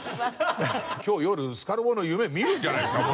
今日夜スカルボの夢見るんじゃないですか？